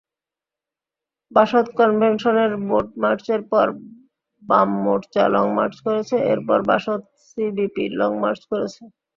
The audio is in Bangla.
বাসদ কনভেনশনের রোডমার্চের পর, বাম মোর্চা লংমার্চ করেছে, এরপর বাসদ-সিপিবি লংমার্চ করেছে।